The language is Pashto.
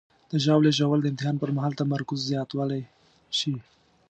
د ژاولې ژوول د امتحان پر مهال تمرکز زیاتولی شي.